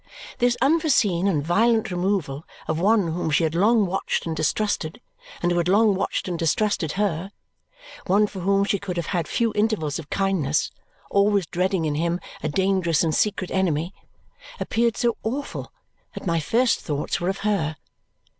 This unforeseen and violent removal of one whom she had long watched and distrusted and who had long watched and distrusted her, one for whom she could have had few intervals of kindness, always dreading in him a dangerous and secret enemy, appeared so awful that my first thoughts were of her.